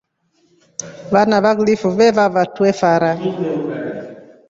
Vana va kilifu veeva vatwe fara.